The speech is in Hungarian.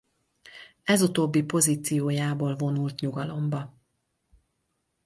Ez utóbbi pozíciójából vonult nyugalomba.